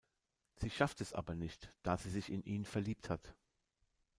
Sie schafft es aber nicht, da sie sich in ihn verliebt hat.